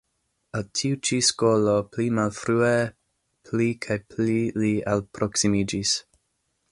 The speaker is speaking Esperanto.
Al tiu ĉi skolo pli malfrue pli kaj pli li alproksimiĝis.